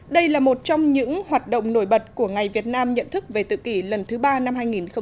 đây là một trong những hoạt động nổi bật của ngày việt nam nhận thức về tự kỷ lần thứ ba năm hai nghìn một mươi chín